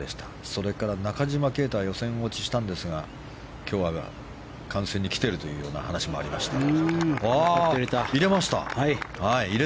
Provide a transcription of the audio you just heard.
それから、中島啓太は予選落ちしたんですが今日は観戦に来ているという話もありました。